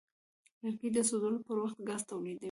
لرګی د سوځولو پر وخت ګاز تولیدوي.